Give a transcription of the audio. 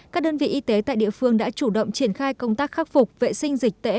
các đơn vị y tế tại địa phương đã chủ động triển khai công tác khắc phục vệ sinh dịch tễ